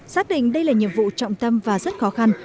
xác định đây là nhiệm vụ trọng tâm và rất khó khăn